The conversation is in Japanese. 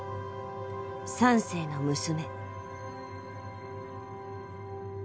三世の娘。